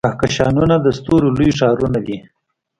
کهکشانونه د ستورو لوی ښارونه دي.